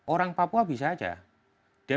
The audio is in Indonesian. orang papua bisa saja dia